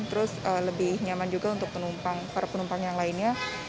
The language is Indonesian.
terus lebih nyaman juga untuk penumpang para penumpang yang lainnya